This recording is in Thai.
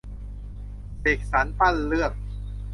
เสกสรรปั้นเรื่อง